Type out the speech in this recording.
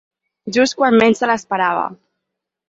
Just quan menys se l'esperava.